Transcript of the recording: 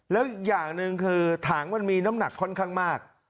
แล้วอย่างหนึ่งคือถังมันมีน้ำหนักค่อนข้างมาก